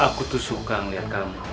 aku tuh suka ngeliat kamu